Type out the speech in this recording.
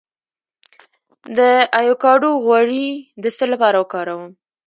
د ایوکاډو غوړي د څه لپاره وکاروم؟